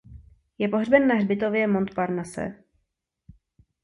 Je pohřben na hřbitově Montparnasse.